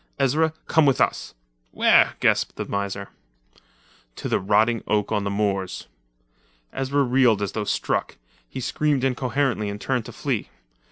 Ezra, come with us!" "Where?" gasped the miser. "To the rotting oak on the moors." Ezra reeled as though struck; he screamed incoherently and turned to flee.